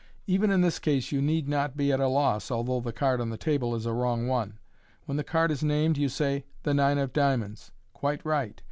Even in this case you need not be at a loss, although the card on the table is a wrong one. When the card is named, you say, " The nine of diamonds. Quite right